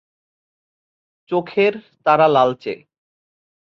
চোখের তারা লালচে।